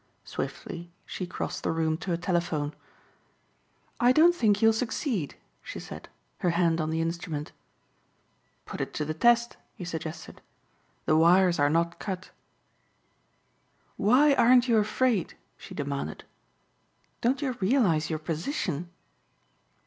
Swiftly she crossed the room to a telephone. "I don't think you'll succeed," she said, her hand on the instrument. "Put it to the test," he suggested. "The wires are not cut." "Why aren't you afraid?" she demanded; "don't you realize your position?"